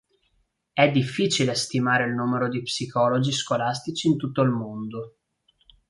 È difficile stimare il numero di psicologi scolastici in tutto il mondo.